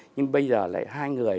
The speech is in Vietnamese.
nhưng bây giờ lại hai người